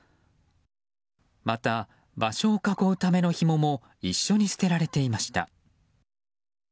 また、場所を囲うためのひもも一緒に捨てられていました。